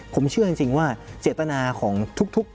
ผมเชื่อจริงว่าเจตนาของทุก